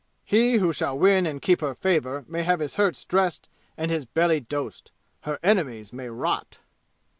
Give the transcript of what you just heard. "He who shall win and keep her favor may have his hurts dressed and his belly dosed. Her enemies may rot."